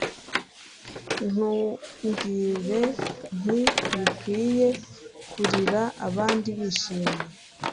ntumbwirentibikwiye kuririra, abandi bishimye